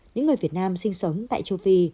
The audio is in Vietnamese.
những người việt nam sinh sống tại châu phi